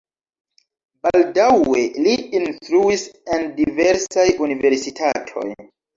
Baldaŭe li instruis en diversaj universitatoj.